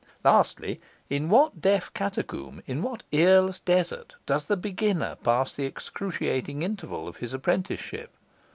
Lastly, in what deaf catacomb, in what earless desert, does the beginner pass the excruciating interval of his apprenticeship?